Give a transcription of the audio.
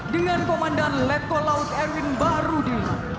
dengan komandan letkol laut erwin barudi